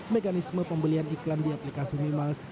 mekanisme pembelian iklan di aplikasi may miles